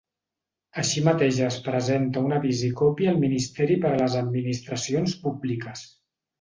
Així mateix es presenta un avís i còpia al Ministeri per a les Administracions Públiques.